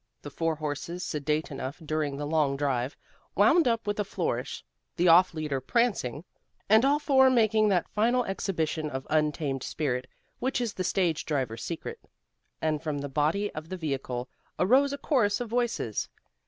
The four horses, sedate enough during the long drive, wound up with a flourish, the off leader prancing, and all four making that final exhibition of untamed spirit, which is the stage driver's secret. And from the body of the vehicle arose a chorus of voices.